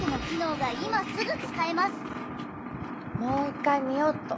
もう一回見よっと！